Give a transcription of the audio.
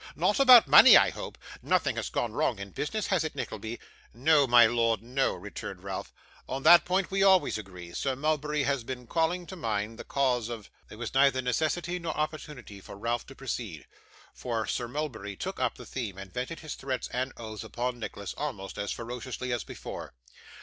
'Not about money, I hope? Nothing has gone wrong in business, has it, Nickleby?' 'No, my Lord, no,' returned Ralph. 'On that point we always agree. Sir Mulberry has been calling to mind the cause of ' There was neither necessity nor opportunity for Ralph to proceed; for Sir Mulberry took up the theme, and vented his threats and oaths against Nicholas, almost as ferociously as before.